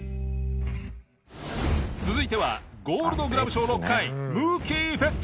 続いてはゴールドグラブ賞６回ムーキー・ベッツ。